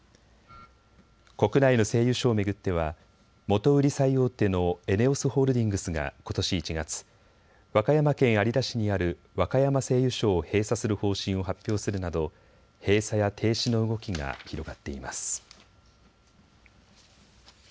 国内の製油所を巡っては元売り最大手のＥＮＥＯＳホールディングスがことし１月、和歌山県有田市にある和歌山製油所を閉鎖する方針を発表するなど閉鎖や停止の動きが広がっています。